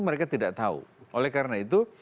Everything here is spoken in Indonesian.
mereka tidak tahu oleh karena itu